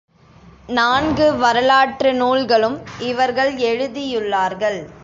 நான்கு வரலாற்று நூல்களும் இவர்கள் எழுதியுள்ளார்கள்.